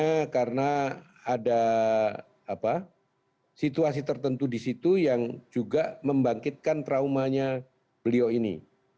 karena ada situasi tertentu di situ yang juga membangkitkan traumanya beliau ini